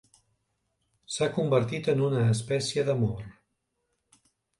S'ha convertit en una espècie d’amor.